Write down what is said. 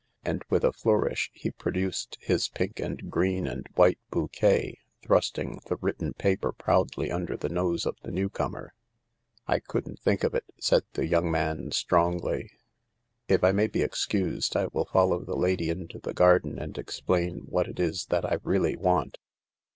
And with a flourish he produced his pink and green and white bouquet, thrusting the written paper proudly under the nose of the newcomer. " I couldn't think of it," said the young man strongly; "if I may be excused, I will follow the lady into the garden and explain what it is that I really want."